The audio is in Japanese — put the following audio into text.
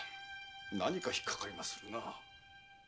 何か引っかかりまするな。